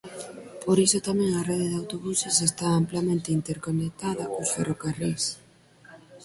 Por iso tamén a rede de autobuses está amplamente interconectada cos ferrocarrís.